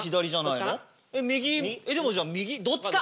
右でもじゃあどっちか！